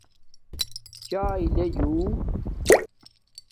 چاݵے لے جُو